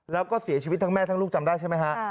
แล้วก็เสียชีวิตทั้งแม่ทั้งลูกจำได้ใช่ไหมฮะ